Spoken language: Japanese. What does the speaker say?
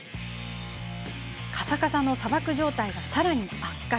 カサカサの砂漠状態がさらに悪化。